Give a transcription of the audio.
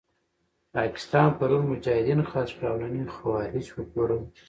پاکستان پرون مجاهدین خرڅ کړل او نن یې خوارج وپلورل.